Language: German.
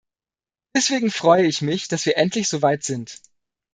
Deswegen freue ich mich, dass wir endlich soweit sind!